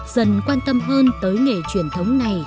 dần quan tâm hơn tới nghệ truyền thống này